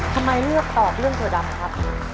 ทำไมเลือกตอบเรื่องถั่วดำครับ